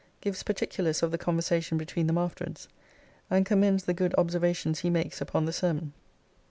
Gives particulars of the conversation between them afterwards, and commends the good observations he makes upon the sermon.